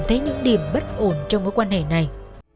thấy những điểm bất ổn trong mối quan hệ này